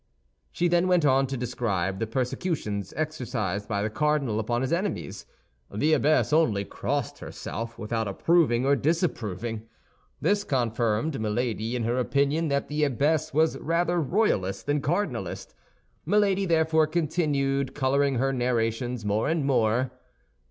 She then went on to describe the persecutions exercised by the cardinal upon his enemies. The abbess only crossed herself, without approving or disapproving. This confirmed Milady in her opinion that the abbess was rather royalist than cardinalist. Milady therefore continued, coloring her narrations more and more.